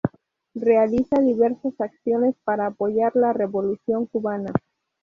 Realiza diversas acciones para apoyar la revolución cubana.